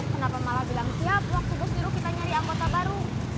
kenapa malah bilang siap waktu bus nyuruh kita nyari anggota baru